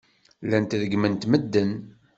Llant reggment medden.